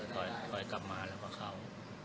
ถอยค่อยกลับมาก็ขาว